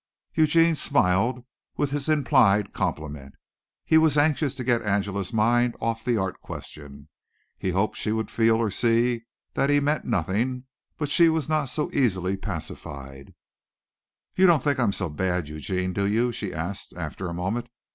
Eugene smiled with his implied compliment. He was anxious to get Angela's mind off the art question. He hoped she would feel or see that he meant nothing, but she was not so easily pacified. "You don't think I'm so bad, Eugene, do you?" she asked after a moment.